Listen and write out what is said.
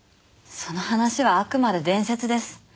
その話はあくまで伝説です。